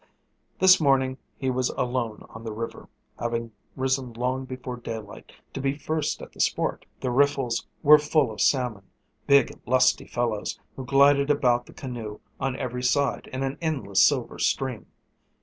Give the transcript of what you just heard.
This morning he was alone on the river, having risen long before daylight to be first at the sport. The riffles were full of salmon, big, lusty fellows, who glided about the canoe on every side in an endless silver stream.